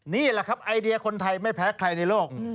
นี่แหละครับไอเดียคนไทยไม่แพ้ใครในโลก